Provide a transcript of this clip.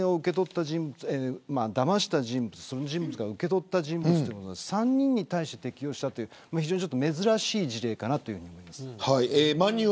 だました人物受け取った人物ということで３人に対して適用したという珍しい事例かなと思います。